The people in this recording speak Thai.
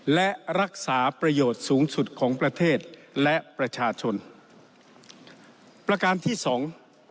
และรักษาประโยชน์สูงสุดของประเทศและประชาชนประการที่สอง